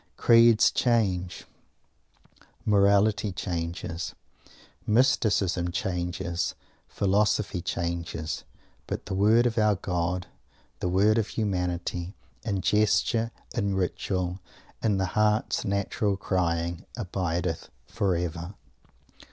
Creeds change, Morality changes, Mysticism changes, Philosophy changes but the Word of our God the Word of Humanity in gesture, in ritual, in the heart's natural crying abideth forever!